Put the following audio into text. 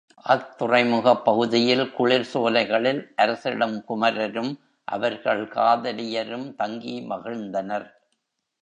அத் துறைமுகப் பகுதியில் குளிர் சோலைகளில் அரசிளங் குமரரும், அவர்கள் காதலியரும் தங்கி மகிழ்ந்தனர்.